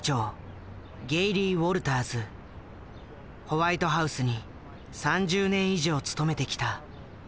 ホワイトハウスに３０年以上勤めてきた。